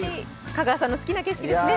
香川さんの好きな景色ですね。